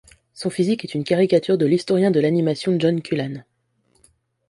Son physique est une caricature de l'historien de l'animation John Culhane.